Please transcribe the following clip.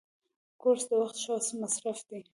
کورس د وخت ښه مصرف دی.